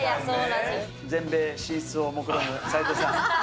全米進出をもくろむ斉藤さん。